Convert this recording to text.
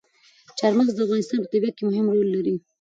چار مغز د افغانستان په طبیعت کې مهم رول لري.